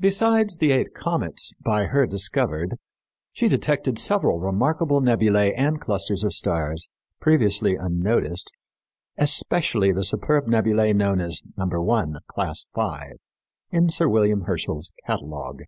Besides the eight comets by her discovered, she detected several remarkable nebulæ and clusters of stars, previously unnoticed, especially the superb nebulæ known as No. 1, Class V, in Sir William Herschel's catalogue.